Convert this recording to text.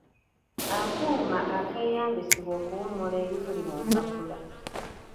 Akuuma akeeyambisibwa okuwumula ebituli mu mpapula.